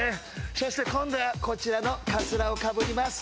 そして今度はこちらのカツラをかぶります。